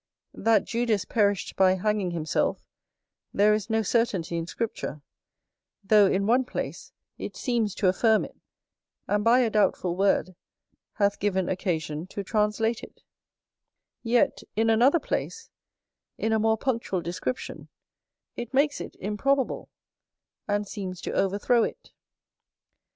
That Judas perished by hanging himself, there is no certainty in Scripture: though, in one place, it seems to affirm it, and, by a doubtful word, hath given occasion to translate it; yet, in another place, in a more punctual description, it makes it improbable, and seems to overthrow it.